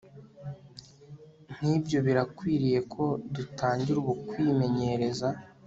nkibyo birakwiriye ko dutangira ubu kwimenyereza